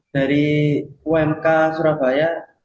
dari umk surabaya